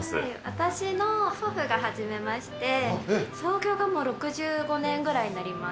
私の祖父が始めまして、創業がもう６５年ぐらいになります。